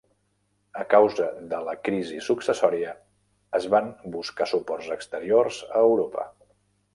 A causa de la crisi successòria, es van buscar suports exteriors a Europa.